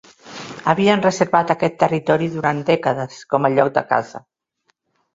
Havien reservat aquest territori durant dècades com a lloc de caça.